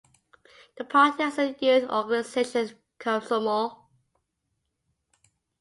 The party has a youth organization, Komsomol.